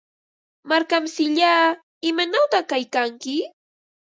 Markamsillaa, ¿imanawta kaykanki?